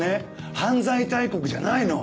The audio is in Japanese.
犯罪大国じゃないの。